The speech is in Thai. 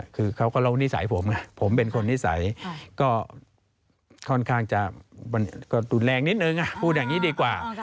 คือเขาก็เล่านิสัยผมนะผมเป็นคนนิสัยก็ค่อนข้างจะดูดแรงนิดนึงอ่ะพูดอย่างนี้ดีกว่า